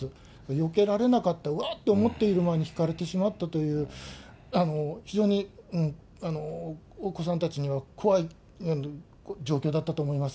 よけられなかった、わっと思っている間にひかれてしまったという、非常にお子さんたちには怖い状況だったと思います。